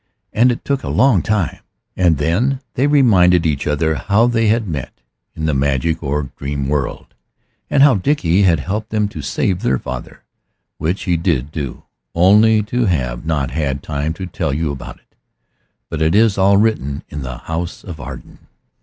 And it took a long time. And then they reminded each other how they had met in the magic or dream world, and how Dickie had helped them to save their father which he did do, only I have not had time to tell you about it; but it is all written in "The House of Arden."